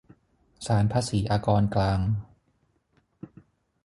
ศาลภาษีอากรกลาง